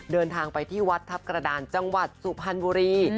เดินทางไปที่วัดทัพกระดานจังหวัดสุพรรณบุรี